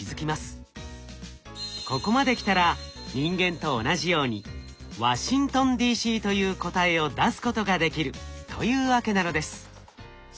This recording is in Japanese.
ここまで来たら人間と同じように「ワシントンＤ．Ｃ．」という答えを出すことができるというわけなのです。